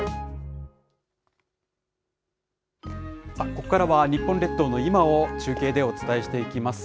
ここからは、日本列島の今を中継でお伝えしていきます。